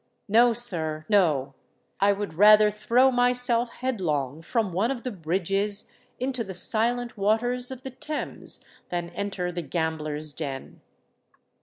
No, sir—no: I would rather throw myself headlong from one of the bridges into the silent waters of the Thames, than enter the gamblers' den!"